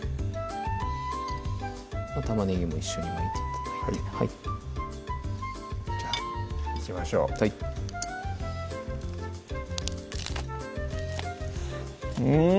玉ねぎも一緒に巻いて頂いてじゃあいきましょうはいうん！